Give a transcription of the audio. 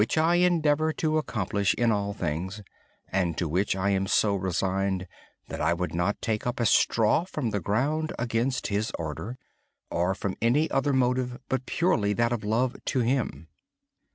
I endeavor to accomplish His will in all things. And I am so resigned that I would not take up a straw from the ground against His order or from any motive but that of pure love for Him.